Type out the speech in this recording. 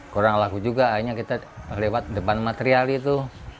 kurang laku juga akhirnya kita lewat depan material itu